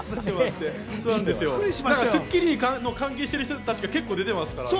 『スッキリ』に関係している人たちが結構、出ていますからね。